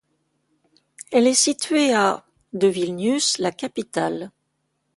Elle est située à de Vilnius, la capitale.